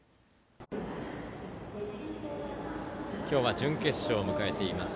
今日は準決勝を迎えています。